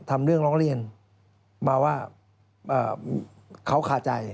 ทำเรื่องร้องเรียนมาว่าเขาคาใจ